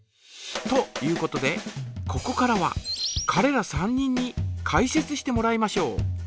ということでここからはかれら３人にかい説してもらいましょう。